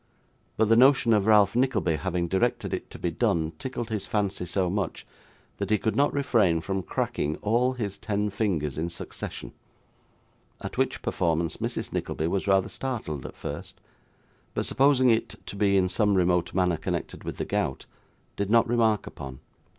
But the notion of Ralph Nickleby having directed it to be done, tickled his fancy so much, that he could not refrain from cracking all his ten fingers in succession: at which performance Mrs. Nickleby was rather startled at first, but supposing it to be in some remote manner connected with the gout, did not remark upon.